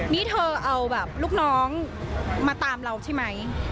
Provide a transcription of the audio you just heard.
นี่เธอเอาลูกน้องมาตามเรา